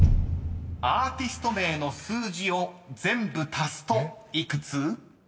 ［アーティスト名の数字を全部足すと幾つ？］